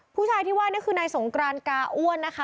ผู้ชายที่ว่านี่คือนายสงกรานกาอ้วนนะคะ